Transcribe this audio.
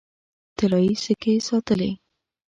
طلايي سکې ساتلې.